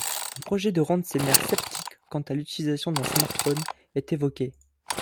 Un projet de rendre ces mères sceptiques quant à l'utilisation d'un Smartphone est évoqué.